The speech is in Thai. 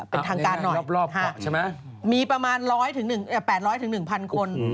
เป็นทางการหน่อยฮะมีประมาณ๘๐๐๑๐๐๐คน